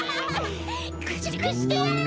くいつくしてやる！